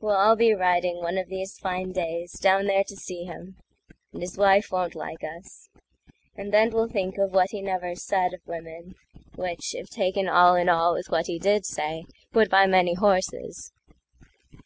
We'll all be riding, one of these fine days, Down there to see him—and his wife won't like us; And then we'll think of what he never saidOf women—which, if taken all in allWith what he did say, would buy many horses.